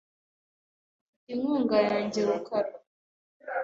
Ufite inkunga yanjye, rukara .